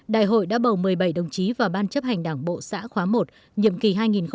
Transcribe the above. đại hội đã bầu một mươi bảy đồng chí vào ban chấp hành đảng bộ xã khóa một nhiệm kỳ hai nghìn hai mươi hai nghìn hai mươi năm